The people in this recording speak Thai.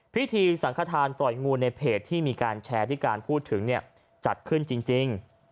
พิธีสังขทานปล่อยงูในเพจที่มีการแชร์ที่การพูดถึงจัดขึ้นจริง